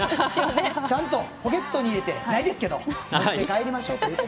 ちゃんとポケットに入れて持って帰りましょうと。